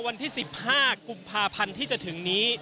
วันที่๑๕กุมภาพันธ์ที่จะถึงนี้